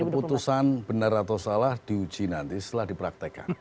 keputusan benar atau salah diuji nanti setelah dipraktekkan